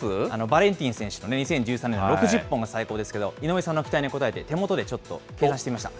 バレンティン選手の２０１３年の６０本が最高ですけど、井上さんの期待に応えて、手元でちょっと計算してみました。